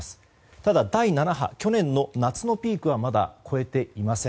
ただ第７波、去年の夏のピークはまだ越えていません。